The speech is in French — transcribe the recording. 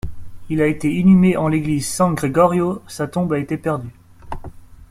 Il a été inhumé en l'église San Gregorio, sa tombe a été perdue.